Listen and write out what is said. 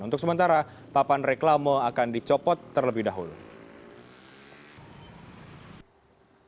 untuk sementara papan reklama akan dicopot terlebih dahulu